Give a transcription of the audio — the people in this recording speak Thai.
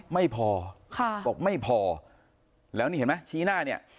ไม่พอค่ะบอกไม่พอแล้วนี่เห็นไหมชี้หน้าเนี่ย